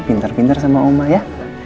pintar pintar sama oma ya